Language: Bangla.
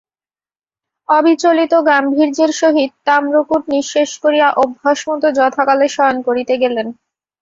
অবিচলিত গাম্ভীর্যের সহিত তাম্রকূট নিঃশেষ করিয়া অভ্যাসমত যথাকালে শয়ন করিতে গেলেন।